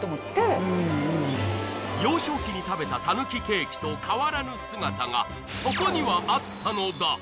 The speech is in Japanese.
幼少期に食べたたぬきケーキと変わらぬ姿がそこにはあったのだ